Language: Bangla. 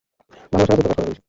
ভালোবাসা কাজে প্রকাশ করারও বিষয়।